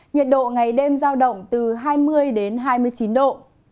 nhiệt độ ngày đêm giao động từ hai mươi đến hai mươi chín độ